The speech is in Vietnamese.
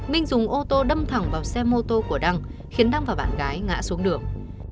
minh dùng ô tô đâm thẳng vào xe mô tô của đăng khiến đăng và bạn gái ngã xuống đường